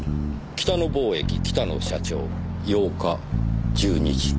「北野貿易北野社長」８日１２時。